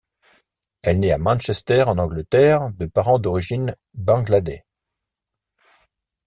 Elle naît à Manchester en Angleterre de parents d'origine Bangladais.